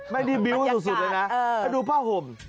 ไม่ได้บิ้วสุดเลยนะถ้าดูผ้าห่ม